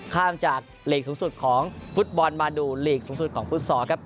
ข้ามจากหลีกสูงสุดของฟุตบอลมาดูลีกสูงสุดของฟุตซอลครับ